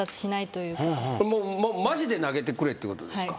マジで投げてくれってことですか。